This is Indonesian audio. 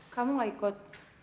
kamu gak ikut